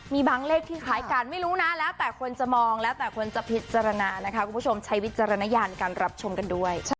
มีบางเลขที่คล้ายกันไม่รู้นะแล้วแต่คนจะมองแล้วแต่คนจะพิจารณานะคะคุณผู้ชมใช้วิจารณญาณในการรับชมกันด้วย